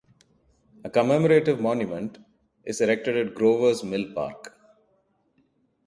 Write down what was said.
A commemorative monument is erected at Grover's Mill park.